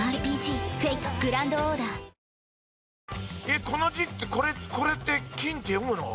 えっこの字ってこれって「きん」って読むの？